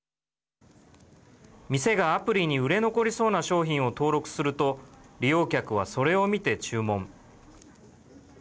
店がアプリに売れ残りそうな商品を登録すると利用客は、それを見て注文。